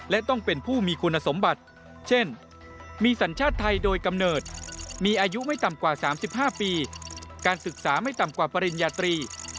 และต้องเป็นผู้มีคุณสมบัติเช่นมีสัญชาติไทยโดยกำเนิดมีอายุไม่ต่ำกว่า๓๕ปีการศึกษาไม่ต่ำกว่าปริญญาตรี